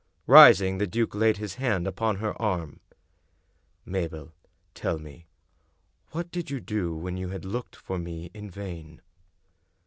Rising, the duke laid his hand upon her arm. " Mabel, tell me — ^what did you do when you had looked for me in vain